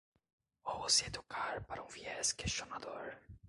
Ouse educar para um viés questionador